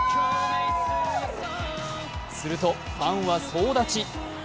すると、ファンは総立ち。